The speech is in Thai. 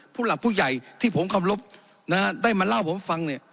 ผู้หลักผู้ใหญ่ที่ผมเคารพนะฮะได้มาเล่าผมฟังเนี่ย